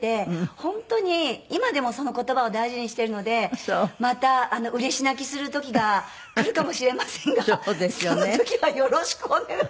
本当に今でもその言葉を大事にしてるのでまたうれし泣きする時がくるかもしれませんがその時はよろしくお願いします。